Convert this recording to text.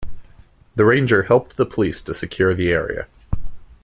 The Ranger helped the police to secure the area.